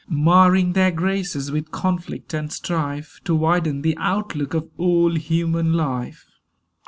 Marring their graces With conflict and strife To widen the outlook of all human life.